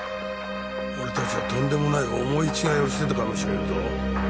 俺達はとんでもない思い違いをしていたかもしれんぞ。